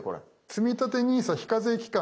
つみたてＮＩＳＡ非課税期間